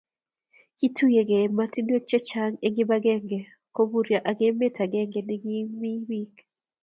kituyegei emotinwek che chang' eng' kibagenge kuboryo ak emet agenge ne kiimi biik